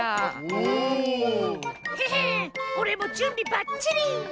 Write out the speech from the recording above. おおっ！へへおれもじゅんびばっちり！